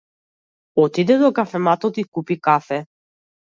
Отиде до кафематот и купи кафе.